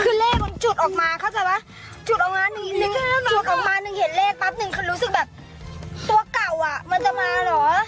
คือเลขมันจุดออกมาเข้าใจไหมจุดออกมาหนึ่งเห็นเลขปับหนึ่งคือรู้สึกแบบตัวเก่าอ่ะมันจะมาหรอ